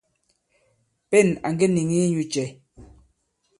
Pên à ŋge nìŋi inyū cɛ̄ ?